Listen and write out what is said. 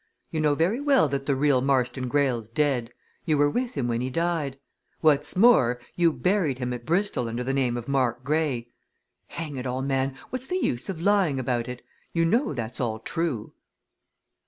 You know very well that the real Marston Greyle's dead. You were with him when he died. What's more, you buried him at Bristol under the name of Mark Grey. Hang it all, man, what's the use of lying about it? you know that's all true!"